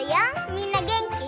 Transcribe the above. みんなげんき？